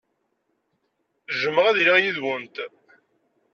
Jjmeɣ ad iliɣ yid-went.